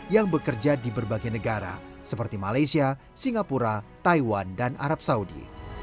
yang bekerja di berbagai negara seperti malaysia singapura taiwan dan arab saudi